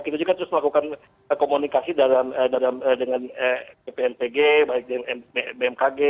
kita juga terus melakukan komunikasi dengan ppnpg bmkg